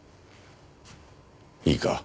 いいか？